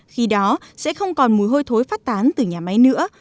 khi đó sẽ không còn mùi hôi thối phát tán từ nhà máy nữa